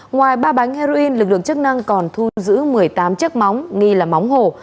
ngoài ba bánh heroin lực lượng chức năng còn thu giữ một mươi tám chiếc móng nghi là móng hổ